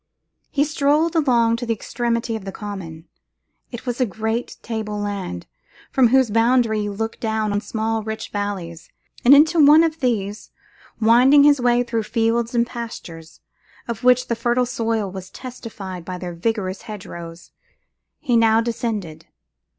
He strolled along to the extremity of the common. It was a great table land, from whose boundary you look down on small rich valleys; and into one of these, winding his way through fields and pastures, of which the fertile soil was testified by their vigorous hedgerows, he now descended.